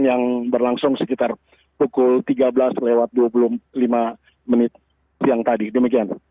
yang berlangsung sekitar pukul tiga belas lewat dua puluh lima menit siang tadi demikian